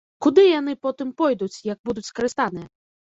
Куды яны потым пойдуць, як будуць скарыстаныя?